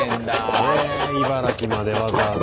へえ茨城までわざわざ。